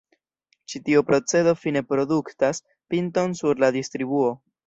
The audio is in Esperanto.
Ĉi-tiu procedo fine produktas pinton sur la distribuo.